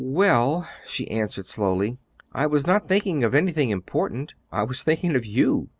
"Well," she answered slowly, "I was not thinking of anything important; I was thinking of you.